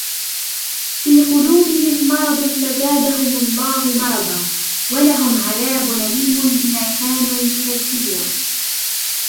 فِي قُلُوبِهِمْ مَرَضٌ فَزَادَهُمُ اللَّهُ مَرَضًا وَلَهُمْ عَذَابٌ أَلِيمٌ بِمَا كَانُوا يَكْذِبُونَ